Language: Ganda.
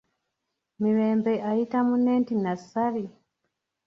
Mirembe ayita munne nti Nassali?